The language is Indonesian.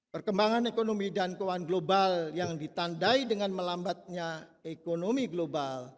perkembangan ekonomi dan keuangan global yang ditandai dengan melambatnya ekonomi global